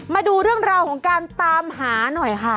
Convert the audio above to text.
มาดูเรื่องราวของการตามหาหน่อยค่ะ